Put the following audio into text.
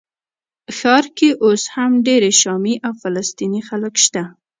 ښار کې اوس هم ډېر شامي او فلسطیني خلک شته.